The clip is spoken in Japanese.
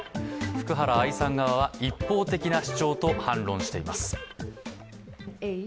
福原愛さん側は一方的な主張と反論しています。